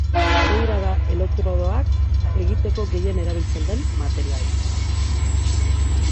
Beira da elektrodoak egiteko gehien erabiltzen den materiala.